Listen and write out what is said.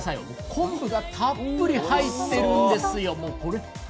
昆布がたっぷり入ってるんですよ。